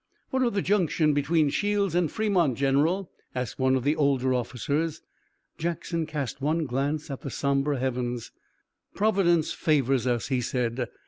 "What of the junction between Shields and Fremont, General?" asked one of the older officers. Jackson cast one glance at the somber heavens. "Providence favors us," he said.